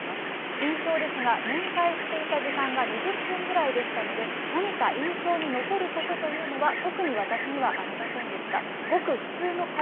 印象ですが、面会していた時間が２０分ぐらいでしたので、何か印象に残ることというのは、特に私にはありませんでした。